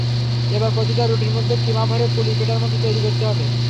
এবার প্রতিটা রুটির মধ্যে কিমা ভরে পুলি পিঠার মতো তৈরি করতে হবে।